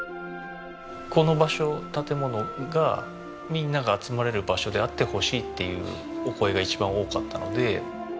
この場所建物がみんなが集まれる場所であってほしいっていうお声が一番多かったので。